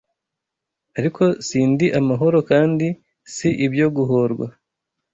Ariko si ndi amahoro kandi si ibyo guhorwa